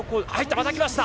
また来ました。